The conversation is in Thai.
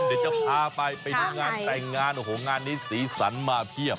เดี๋ยวจะพาไปไปดูงานแต่งงานโอ้โหงานนี้สีสันมาเพียบ